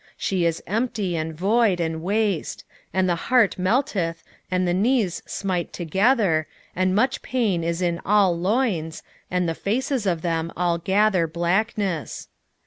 2:10 She is empty, and void, and waste: and the heart melteth, and the knees smite together, and much pain is in all loins, and the faces of them all gather blackness.